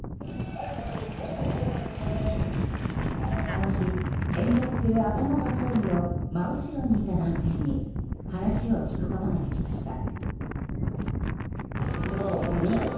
あの日、演説する安倍元総理の真後ろにいた男性に話を聞くことができました。